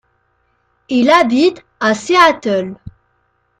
Il habite à Seattle.